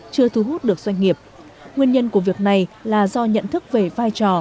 chưa thu hút được doanh nghiệp nguyên nhân của việc này là do nhận thức về vai trò